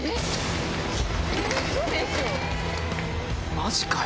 マジかよ。